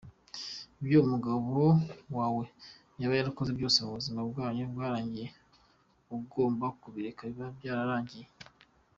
Ibyo umugabo wawe yaba yarakoze byose mu buzima bwanyu bwarangiye, ugombz kubireka biba byararanngiye.